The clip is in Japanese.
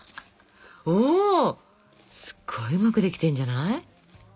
すごいうまくできてんじゃない？